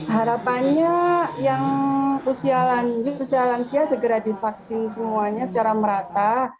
harapannya yang usia lansia segera divaksin semuanya secara merata